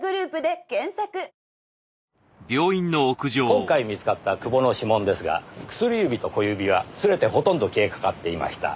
今回見つかった久保の指紋ですが薬指と小指は擦れてほとんど消えかかっていました。